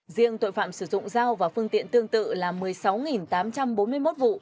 riêng tội phạm sử dụng dao và phương tiện tương tự là một mươi sáu tám trăm bốn mươi một vụ